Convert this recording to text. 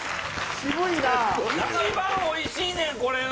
一番おいしいねん、これが。